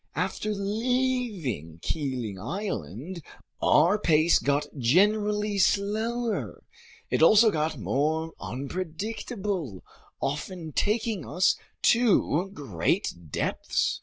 After leaving Keeling Island, our pace got generally slower. It also got more unpredictable, often taking us to great depths.